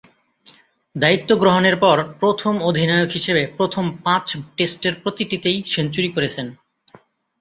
দায়িত্ব গ্রহণের পর প্রথম অধিনায়ক হিসেবে প্রথম পাঁচ টেস্টের প্রতিটিতেই সেঞ্চুরি করেছেন।